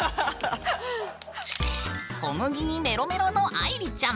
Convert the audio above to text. こむぎにメロメロの愛莉ちゃん！